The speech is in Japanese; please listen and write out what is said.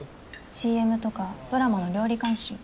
ＣＭとかドラマの料理監修を。